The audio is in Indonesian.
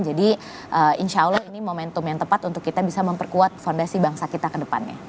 jadi insya allah ini momentum yang tepat untuk kita bisa memperkuat fondasi bangsa kita ke depannya